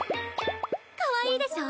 かわいいでしょ？